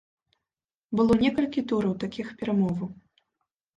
Было некалькі тураў такіх перамоваў.